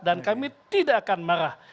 dan kami tidak akan marah